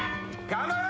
頑張れ。